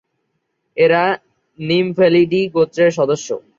এরা ‘নিমফ্যালিডি’ গোত্রের সদস্য।